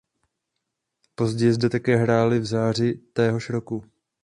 Později zde také hráli v záři téhož roku.